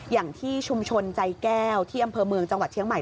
อย่างที่ชุมชนใจแก้วที่อำเภอเมืองจังหวัดเชียงใหม่